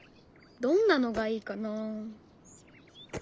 どんなのがいいかな？